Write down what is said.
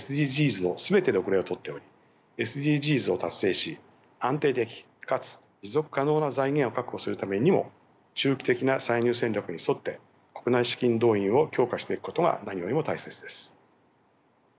ＳＤＧｓの全てで後れを取っておりＳＤＧｓを達成し安定的かつ持続可能な財源を確保するためにも中期的な歳入戦略に沿って国内資金動員を強化していくことが何よりも大切です。